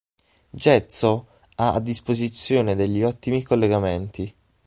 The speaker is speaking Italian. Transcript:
Getxo ha a disposizione degli ottimi collegamenti.